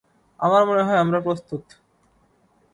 আমার মনে হয়, আমরা প্রস্তুত।